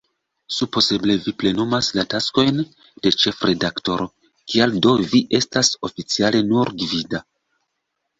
Supozeble vi plenumas la taskojn de ĉefredaktoro, kial do vi estas oficiale nur "gvida"?